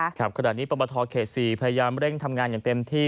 สำหรับขณะนี้ปปเขสี่พยายามเร่งทำงานอย่างเต็มที่